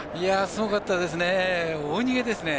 すごかったですね。